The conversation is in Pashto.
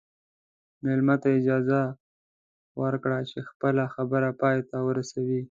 مېلمه ته اجازه ورکړه چې خپله خبره پای ته ورسوي.